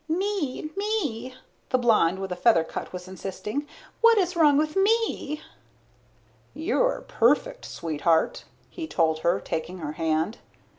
"Me, me," the blonde with a feather cut was insisting. "What is wrong with me?" "You're perfect, sweetheart," he told her, taking her hand.